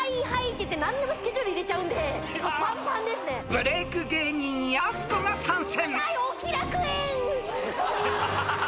ブレーク芸人やす子が参戦。